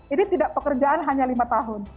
ini tidak pekerjaan hanya lima tahun